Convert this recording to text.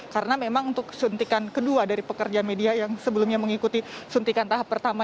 karena memang untuk sentikan kedua dari pekerja media yang sebelumnya mengikuti sentikan tahap pertama